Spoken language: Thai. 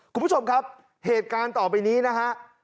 คุณผู้ชมครับเหตุการณ์ต่อไปนี้นะฮะ